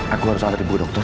aku harus ada ibu dokter